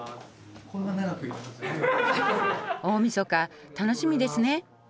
大みそか楽しみですね。